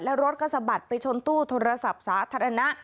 แล้วรถก็สะบัดไปชนตู้โทรศัพท์สาธารณะ